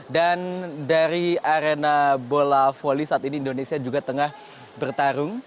dan dari arena bola volley saat ini indonesia juga tengah bertarung